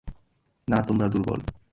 না, তোমরা দুর্বল।